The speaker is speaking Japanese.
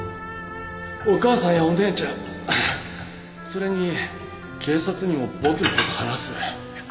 お母さんやお姉ちゃんそれに警察にも僕の事話す？